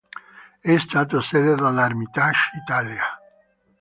È stato sede della Ermitage Italia.